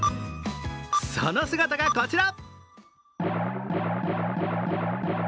その姿がこちら。